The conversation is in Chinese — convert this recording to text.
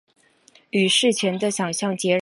与事前的想像截然不同